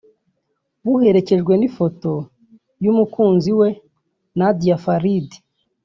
buherekejwe n’ifoto y’umukunzi we Nadia Farid